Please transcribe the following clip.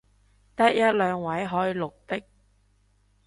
得一兩個位可以綠的